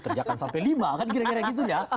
kerjakan sampai lima kan kira kira gitu ya